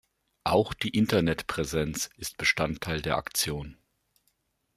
Auch die Internet-Präsenz ist Bestandteil der Aktion.